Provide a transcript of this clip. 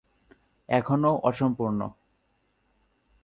এখনও অসম্পূর্ণ।